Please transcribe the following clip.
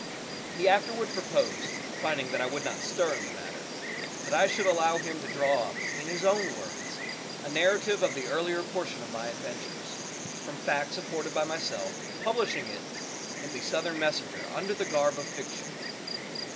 He afterward proposed (finding that I would not stir in the matter) that I should allow him to draw up, in his own words, a narrative of the earlier portion of my adventures, from facts afforded by myself, publishing it in the "Southern Messenger" _under the garb of fiction.